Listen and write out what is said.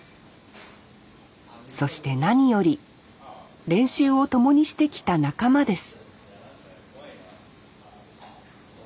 そして何より練習を共にしてきた仲間です